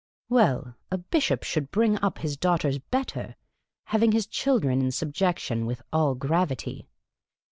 Well, a bishop should bring up his daughters better, having his children in subjection with all gravity.